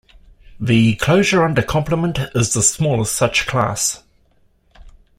The closure under complement is the smallest such class.